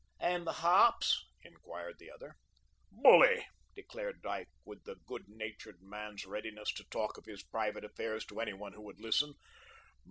"And the hops?" inquired the other. "Bully," declared Dyke, with the good natured man's readiness to talk of his private affairs to any one who would listen.